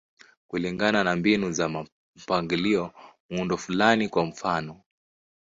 Kulingana na mbinu za mpangilio, muundo fulani, kwa mfano.